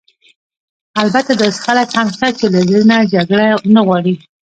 البته داسې خلک هم شته چې له زړه نه جګړه نه غواړي.